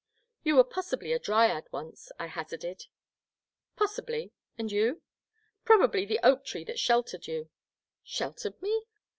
You were possibly a dryad once, I hazarded. Possibly. And you ?Probably the oak tree that sheltered you." ''Sheltered me?